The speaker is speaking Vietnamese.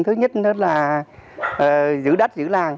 thứ nhất là giữ đất giữ làng